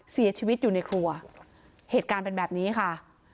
เสียชีวิตอยู่ในครัวเหตุการณ์เป็นแบบนี้ค่ะ